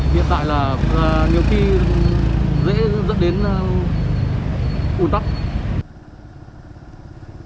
hiện tại là nhiều khi dễ dẫn đến ủn tắc